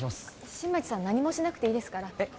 新町さん何もしなくていいですからえっ？